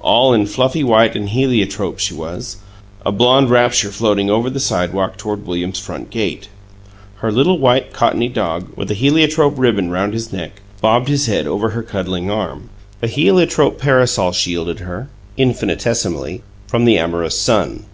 All in fluffy white and heliotrope she was a blonde rapture floating over the sidewalk toward William's front gate. Her little white cottony dog, with a heliotrope ribbon round his neck, bobbed his head over her cuddling arm; a heliotrope parasol shielded her infinitesimally from the amorous sun.